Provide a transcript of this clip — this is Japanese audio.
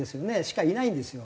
しかいないんですよ。